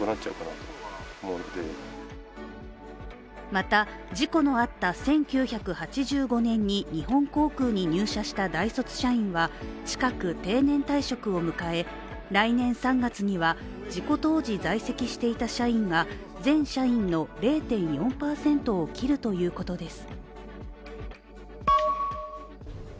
また、事故のあった１９８５年に日本航空に入社した大卒社員は近く定年退職を迎え、来年３月には事故当時在籍していた社員が全社員の０．４％を切るということです。